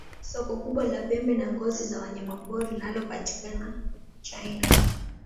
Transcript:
soko kubwa la pembe na ngozi za wanyamapori linalopatikana china